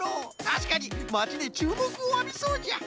たしかにまちでちゅうもくをあびそうじゃ。